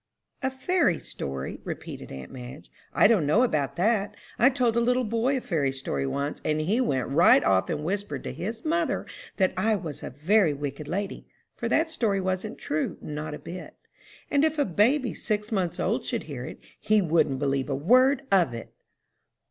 "A fairy story?" repeated aunt Madge. "I don't know about that. I told a little boy a fairy story once, and he went right off and whispered to his mother that I was a very wicked lady, for that story wasn't true, not a bit; and if a baby six months old should hear it, he wouldn't believe a word of it!"